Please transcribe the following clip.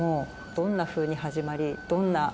どんなふうに始まり。